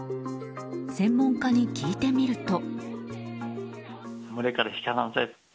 専門家に聞いてみると。